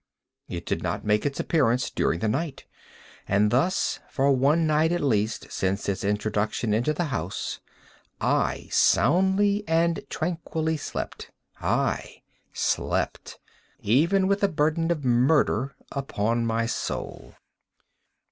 It did not make its appearance during the night; and thus for one night at least, since its introduction into the house, I soundly and tranquilly slept; aye, slept even with the burden of murder upon my soul!